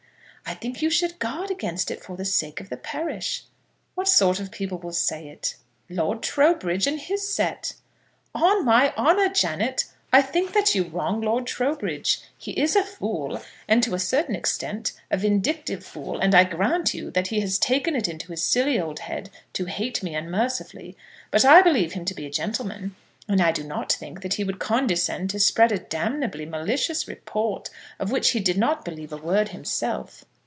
"I think you should guard against it, for the sake of the parish." "What sort of people will say it?" "Lord Trowbridge, and his set." "On my honour, Janet, I think that you wrong Lord Trowbridge. He is a fool, and to a certain extent a vindictive fool; and I grant you that he has taken it into his silly old head to hate me unmercifully; but I believe him to be a gentleman, and I do not think that he would condescend to spread a damnably malicious report of which he did not believe a word himself."